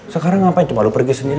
sekarang ngapain cuma lu pergi sendiri